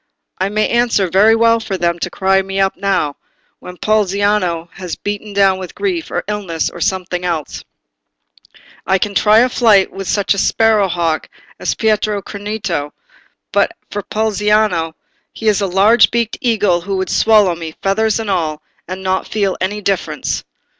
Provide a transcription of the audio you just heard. It may answer very well for them to cry me up now, when Poliziano is beaten down with grief, or illness, or something else; I can try a flight with such a sparrow hawk as Pietro Crinito, but for Poliziano, he is a large beaked eagle who would swallow me, feathers and all, and not feel any difference."